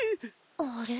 あれ？